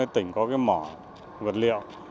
tỉnh có cái mỏ vật liệu